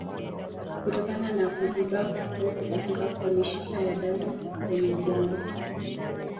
Kutokana na kuziba au kupasuka kwa mishipa ya damu kwenye ubongo